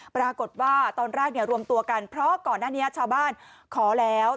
ปรากฏว่าตอนแรกเนี่ยรวมตัวกันเพราะก่อนหน้านี้ชาวบ้านขอแล้ว